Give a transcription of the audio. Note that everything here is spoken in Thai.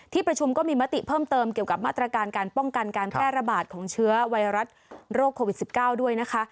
ประชุมก็มีมติเพิ่มเติมเกี่ยวกับมาตรการการป้องกันการแพร่ระบาดของเชื้อไวรัสโรคโควิด๑๙ด้วยนะคะ